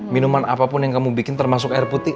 minuman apapun yang kamu bikin termasuk air putih